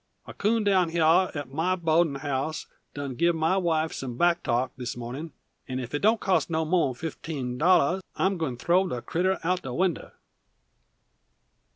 A coon down hyah at my bohdin' house done give my wife some back talk this mornin', an if it don't cost moh'n fifteen dollahs I'm gwine to throw the critter outen de winder!"